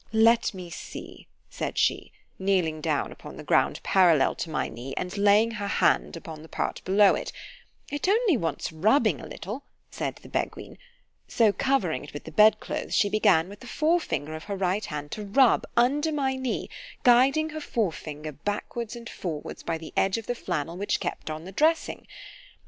Let me see it, said she, kneeling down upon the ground parallel to my knee, and laying her hand upon the part below it——it only wants rubbing a little, said the Beguine; so covering it with the bed clothes, she began with the fore finger of her right hand to rub under my knee, guiding her fore finger backwards and forwards by the edge of the flannel which kept on the dressing.